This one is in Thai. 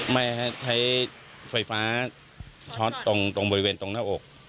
ใช้ไฟฟ้าตรงบริเวณตรงหน้าอก